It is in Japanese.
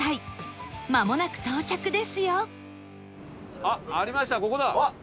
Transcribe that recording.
まもなく到着ですよ